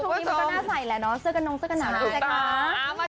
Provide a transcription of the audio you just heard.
ชุดนี้มันก็น่าใสแล้วเนอะเสื้อกระนงเสื้อกระหน่าสุดท้ายค่ะ